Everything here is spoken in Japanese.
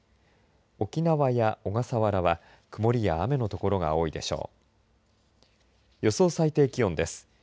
沖縄や小笠原は曇りや雨の所が多いでしょう。